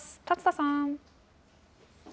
竜田さん。